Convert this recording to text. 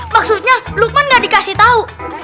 maksudnya lukman gak dikasih tahu